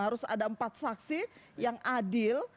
harus ada empat saksi yang adil